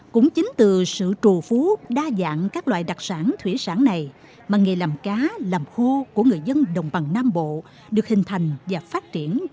cũng chính từ sự trù phú đa dạng các loại đặc sản thủy sản này mà nghề làm cá làm khô của người dân đồng bằng nam bộ được hình thành và phát triển cho dùng đất này